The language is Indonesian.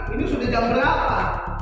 ini sudah jam berapa